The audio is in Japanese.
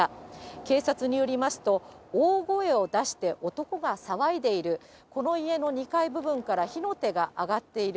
警察によりますと、大声を出して男が騒いでいる、この家の２階部分から火の手が上がっている。